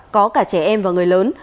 có cả trẻ em và người lớn